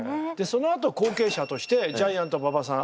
そのあと後継者としてジャイアント馬場さん